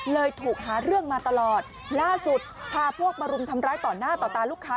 ถูกหาเรื่องมาตลอดล่าสุดพาพวกมารุมทำร้ายต่อหน้าต่อตาลูกค้า